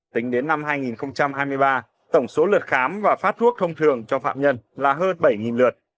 tính đến năm hai nghìn hai mươi ba tổng số lượt khám và phát thuốc thông thường cho phạm nhân là hơn bảy lượt